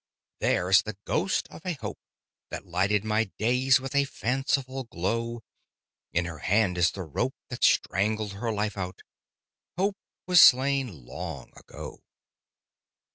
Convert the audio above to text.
There's the ghost of a Hope That lighted my days with a fanciful glow. In her hand is the rope That strangled her life out. Hope was slain long ago.